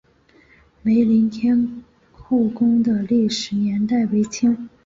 梅林天后宫的历史年代为清。